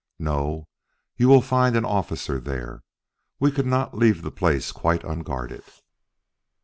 "No you will find an officer there. We could not leave the place quite unguarded."